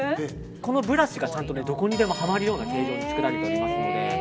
このブラシがどこにでもはまるような形状に作られておりますので。